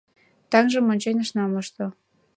Таҥжым ончен ышна мошто.